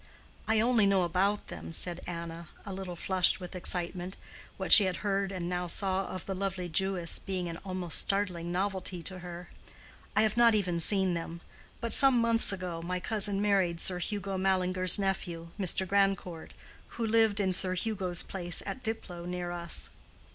"I only knew about them," said Anna, a little flushed with excitement, what she had heard and now saw of the lovely Jewess being an almost startling novelty to her. "I have not even seen them. But some months ago, my cousin married Sir Hugo Mallinger's nephew, Mr. Grandcourt, who lived in Sir Hugo's place at Diplow, near us."